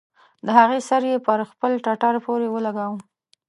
د هغې سر يې پر خپل ټټر پورې ولګاوه.